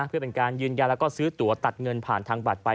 เพื่อเป็นการยืนยันแล้วก็ซื้อตัวตัดเงินผ่านทางบัตรไป